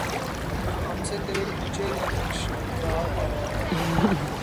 ہم سے تیرے کوچے نے نقش مدعا پایا